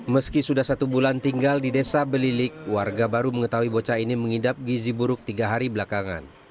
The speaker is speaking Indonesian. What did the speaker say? meski sudah satu bulan tinggal di desa belilik warga baru mengetahui bocah ini mengidap gizi buruk tiga hari belakangan